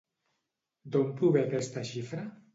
D'on prové aquesta xifra?